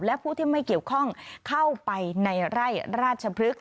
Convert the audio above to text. และผู้ที่ไม่เกี่ยวข้องเข้าไปในไร่ราชพฤกษ